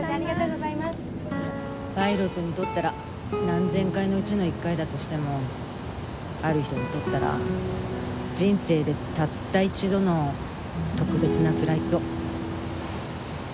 パイロットにとったら何千回のうちの１回だとしてもある人にとったら人生でたった一度の特別なフライト。